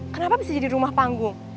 kenapa bisa jadi rumah panggung